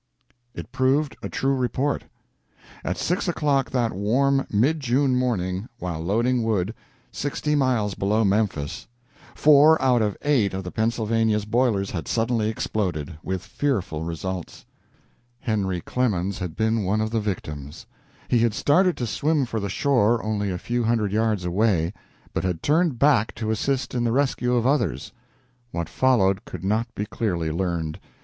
It proved a true report. At six o'clock that warm mid June morning, while loading wood, sixty miles below Memphis, four out of eight of the Pennsylvania's boilers had suddenly exploded, with fearful results. Henry Clemens had been one of the victims. He had started to swim for the shore, only a few hundred yards away, but had turned back to assist in the rescue of others. What followed could not be clearly learned.